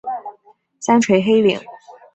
三陲黑岭。